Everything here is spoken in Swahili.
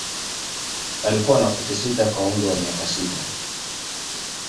Alikuwa na futi sita kwa umri wa miaka sita.